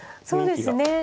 そうですね。